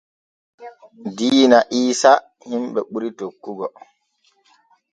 Diina iisa himɓe ɓuri tokkugo.